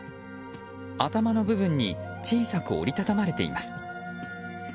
頭の部分に小さく折りたたまれています。